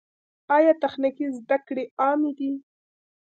آیا تخنیکي زده کړې عامې دي؟